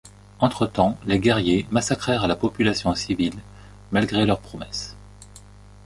Entre-temps, les guerriers massacrèrent la population civile, malgré leur promesse.